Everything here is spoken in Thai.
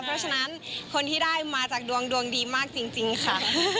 เพราะฉะนั้นคนที่ได้มาจากดวงดวงดีมากจริงค่ะ